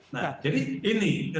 nah jadi ini